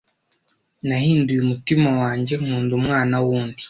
nahinduye umutima wanjye nkunda umwana w'undi